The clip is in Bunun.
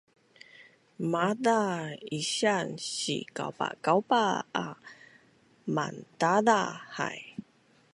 Maaz a isian sikaupakaupa a mandaza hai